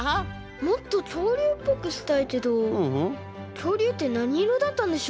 もっときょうりゅうっぽくしたいけどきょうりゅうってなにいろだったんでしょう？